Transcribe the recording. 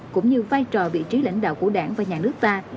cũng như vai trò vị trí lãnh đạo của đảng và nhà nước ta